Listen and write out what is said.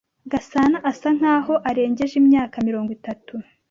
Gasana asa nkaho arengeje imyaka mirongo itatu.